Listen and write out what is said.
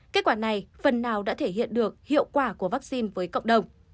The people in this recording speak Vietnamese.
kết quả này phần nào đã thể hiện được hiệu quả của vaccine với cộng đồng